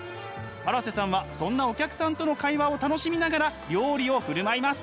荒瀬さんはそんなお客さんとの会話を楽しみながら料理を振る舞います。